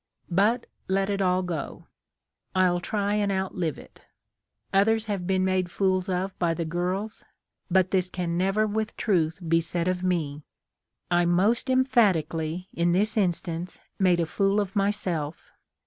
But let it all go. I'll try and outlive it. Others have been made fools of by the girls ; but this can never with truth be said of me. I most emphatically, in this instance, made a fool of myself.